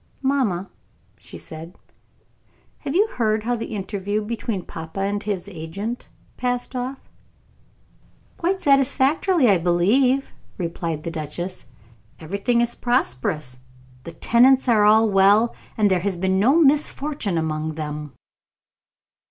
"Mamma," she said, "have you heard how the interview between papa and his agent passed off?" "Quite satisfactorily, I believe," replied the duchess; "everything is prosperous. The tenants are all well, and there has been no misfortune among them."